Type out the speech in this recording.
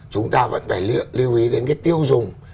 chúng ta vẫn phải lưu ý đến cái tiêu dùng